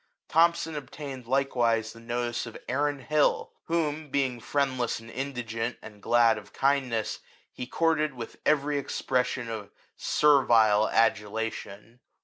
Thomson obtained likewise the notice of Aaron Hill, whom (being friend less and indigent, and glad of kindness) he courted with every expression of servile adu lation.